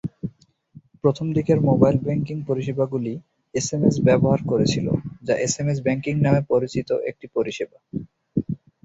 প্রথম দিকের mobile banking পরিষেবাগুলি এসএমএস ব্যবহার করেছিল, যা এসএমএস ব্যাংকিং নামে পরিচিত একটি পরিষেবা।